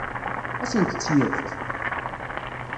Ad asent-tt-yefk?